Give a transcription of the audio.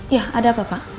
ya ada apa pak